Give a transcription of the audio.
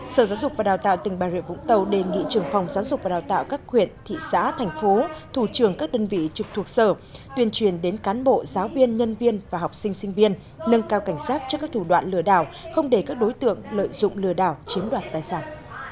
sở giáo dục và đào tạo tỉnh bà rịa vũng tàu đề nghị trường phòng giáo dục và đào tạo các quyện thị xã thành phố thủ trường các đơn vị trực thuộc sở tuyên truyền đến cán bộ giáo viên nhân viên và học sinh sinh viên nâng cao cảnh giác cho các thủ đoạn lừa đảo không để các đối tượng lợi dụng lừa đảo chiếm đoạt tài sản